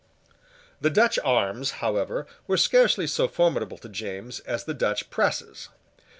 The Dutch arms, however, were scarcely so formidable to James as the Dutch presses.